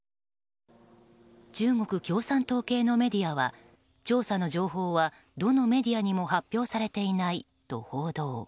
中国共産党系のメディアは調査の情報はどのメディアにも発表されていないと報道。